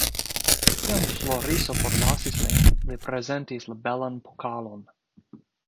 Kiam Floriso forlasis lin, li prezentis la belan pokalon.